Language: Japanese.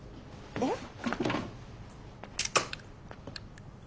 えっ？